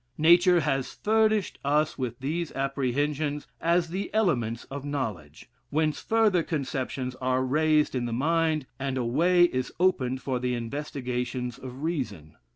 Nature has furnished us with these apprehensions, as the elements of knowledge, whence further conceptions are raised in the mind, and a way is opened for the investigations of reason.